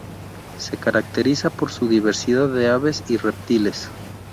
Se caracteriza por su diversidad de aves y reptiles.